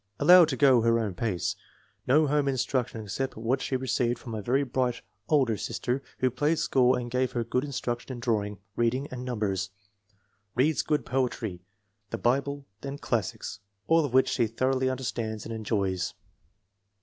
Allowed to go her own pace. No home instruction except what she received from a very bright older sister who played school and gave her good instruction in drawing, reading, and numbers. Reads good poetry, the Bi ble, and classics, all of which she thoroughly under stands and enjoys.